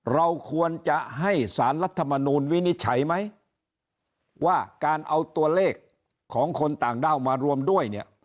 เราควรจะให้สารรัฐมนูลวินิจฉัยไหมว่าการเอาตัวเลขของคนต่างด้าวมารวมด้วยเนี่ย